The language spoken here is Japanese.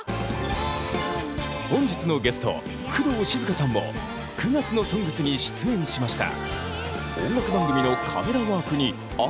本日のゲスト工藤静香さんも９月の「ＳＯＮＧＳ」に出演しました。